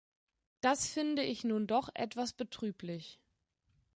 Das finde ich nun doch etwas betrüblich.